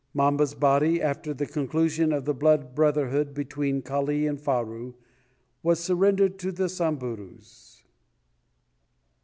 Mamba's body, after the conclusion of the blood brotherhood between Kali and Faru, was surrendered to the Samburus.